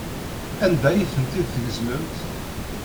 Anda ay tent-id-tgezmemt?